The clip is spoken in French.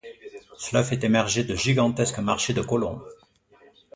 Cela fait émerger de gigantesques marchés de colons.